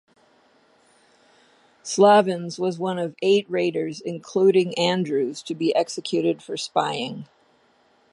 Slavens was one of eight raiders including Andrews to be executed for spying.